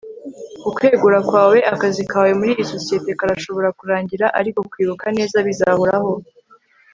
ukwegura kwawe, akazi kawe muri iyi sosiyete karashobora kurangira ariko kwibuka neza bizahoraho